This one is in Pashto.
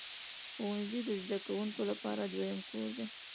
ښوونځی د زده کوونکو لپاره دویم کور دی.